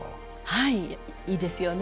はい、いいですよね